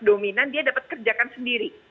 dominan dia dapat kerjakan sendiri